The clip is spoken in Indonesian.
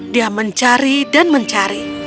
dia mencari dan mencari